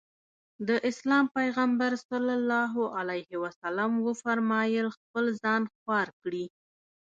د اسلام پيغمبر ص وفرمايل خپل ځان خوار کړي.